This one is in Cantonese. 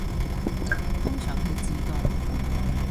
通常係自動